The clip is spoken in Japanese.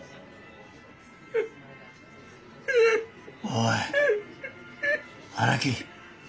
おい荒木。